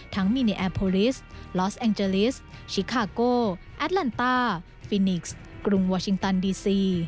ทั้งมิเนียโอปอลิสลอสแองเจลิสชิคาโกแอตแลนตาฟินิกส์กรุงวาชิงตันดีซี